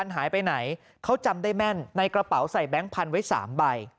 หายไปไหนเขาจำได้แม่นในกระเป๋าใส่แบงค์พันธุ์ไว้๓ใบ